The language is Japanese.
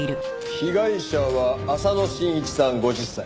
被害者は浅野慎一さん５０歳。